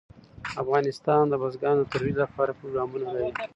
افغانستان د بزګان د ترویج لپاره پروګرامونه لري.